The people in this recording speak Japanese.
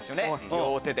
「両手で」。